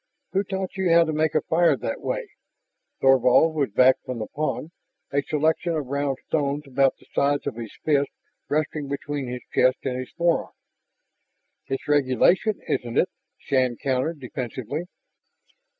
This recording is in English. "Who taught you how to make a fire that way?" Thorvald was back from the pond, a selection of round stones about the size of his fist resting between his chest and his forearm. "It's regulation, isn't it?" Shann countered defensively.